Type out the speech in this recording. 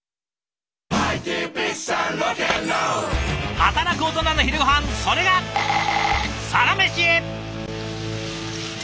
働くオトナの昼ごはんそれが「サラメシ」。